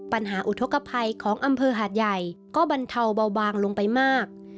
อุทธกภัยของอำเภอหาดใหญ่ก็บรรเทาเบาบางลงไปมาก